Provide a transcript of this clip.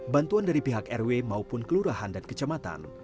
bantuan dari pihak rw maupun kelurahan dan kecamatan